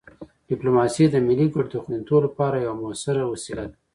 ډیپلوماسي د ملي ګټو د خوندیتوب لپاره یوه مؤثره وسیله ده.